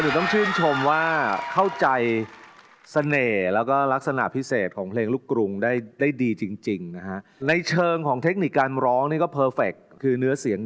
ยังจำได้ไหมถึงใครคนหนึ่ง